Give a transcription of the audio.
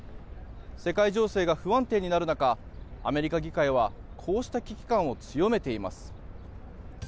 世界情勢が不安定になる中アメリカ議会はこうした危機感を強めています。